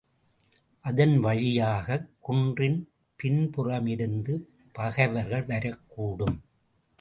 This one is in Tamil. அதன் வழியாகக் குன்றின் பின்புறமிருந்து பகைவர்கள் வரக்கூடும்.